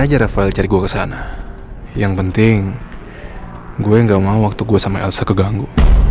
aja rafael cari gue kesana yang penting gue gak mau waktu gue sama elsa keganggu